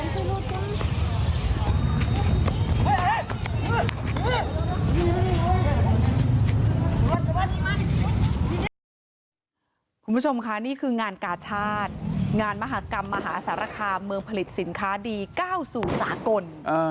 คุณผู้ชมค่ะนี่คืองานกาชาติงานมหากรรมมหาสารคามเมืองผลิตสินค้าดีก้าวสู่สากล